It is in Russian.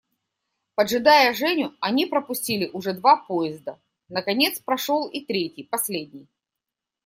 Поджидая Женю, они пропустили уже два поезда, наконец прошел и третий, последний.